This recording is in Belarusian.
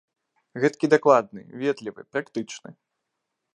Гэткі дакладны, ветлівы, практычны!